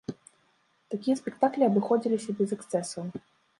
Такія спектаклі абыходзіліся без эксцэсаў.